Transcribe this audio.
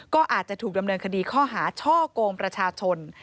ก็อาจจะถูกดำเนินคดีข้อหาช่อกงประชาชน